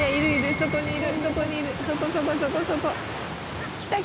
そこにいる。